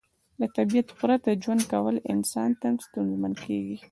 له طبیعت پرته ژوند کول انسان ته ستونزمن کیږي